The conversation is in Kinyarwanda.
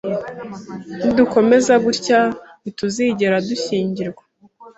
Nidukomeza gutya, ntituzigera dushyingirwa